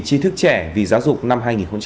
chi thức trẻ vì giáo dục năm hai nghìn một mươi tám